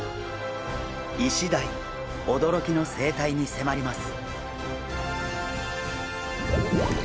イシダイおどろきの生態にせまります！